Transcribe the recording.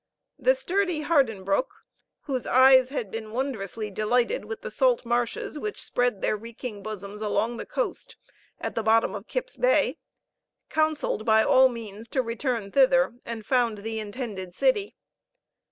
The sturdy Harden Broeck, whose eyes had been wondrously delighted with the salt marshes which spread their reeking bosoms along the coast, at the bottom of Kip's Bay, counseled by all means to return thither, and found the intended city.